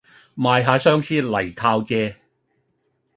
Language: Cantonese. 賣吓相思嚟靠借